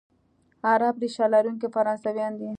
عرب ریشه لرونکي فرانسویان دي،